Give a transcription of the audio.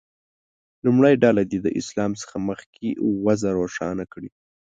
لومړۍ ډله دې د اسلام څخه مخکې وضع روښانه کړي.